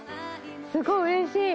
すごいうれしい。